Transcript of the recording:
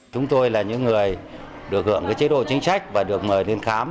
chúng tôi là những người được hưởng cái chế độ chính trách và được mời lên khám